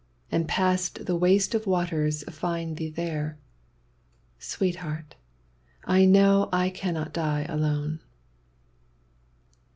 And past the waste of waters find thee there — Sweetheart! I know I cannot die alone